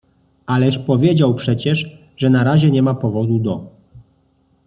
— Ależ powiedział przecież, że na razie nie ma powodu do…